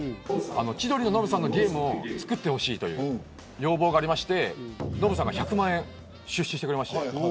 千鳥のノブさんのゲームも作ってほしいという要望がありまして、ノブさんが１００万円出資してくれました。